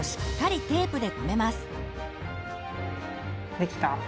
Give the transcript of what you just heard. できた？